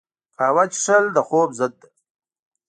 قهوه څښل د خوب ضد ده